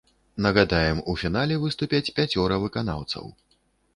Нагадаем, у фінале выступяць пяцёра выканаўцаў.